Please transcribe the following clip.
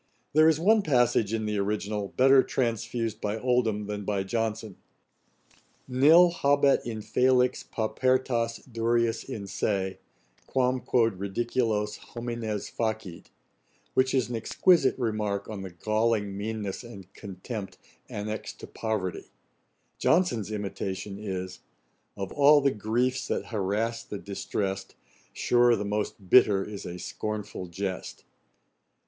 There is one passage in the original, better transfused by Oldham than by Johnson: 'Nil habet infelix paupertas durius in se, Quàm quod ridiculos homines facit;' which is an exquisite remark on the galling meanness and contempt annexed to poverty: JOHNSON'S imitation is, 'Of all the griefs that harass the distrest, Sure the most bitter is a scornful jest.'